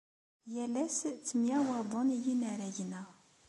Yal ass ttemyawaḍen yinaragen-a.